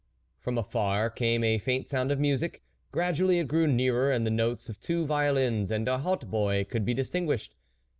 From afar came a faint sound of music, gradually it grew nearer, and the notes of two violins and a hautboy could be distinguished.